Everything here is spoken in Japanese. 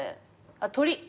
あっ鳥。